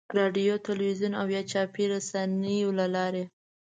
رادیو، تلویزیون او یا چاپي رسنیو له لارې.